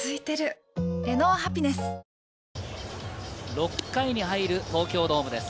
６回に入る東京ドームです。